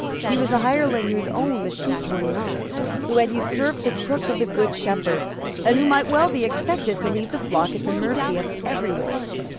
He was a hireling whose own the sheep were not, who had usurped the crook of the good shepherd, and who might well be expected to leave the flock at the mercy of every wolf.